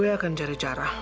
saya akan mencari cara